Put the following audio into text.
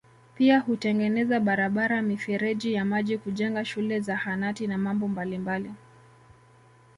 Pia hutengeneza barabara mifereji ya maji kujenga shule Zahanati na mambo mabalimbali